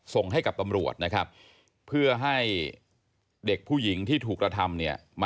ส่งให้กับตำรวจนะครับ